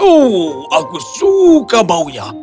oh aku suka baunya